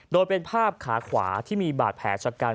โดยเป็นภาพขาขวาที่มีบาดแผลชะกัน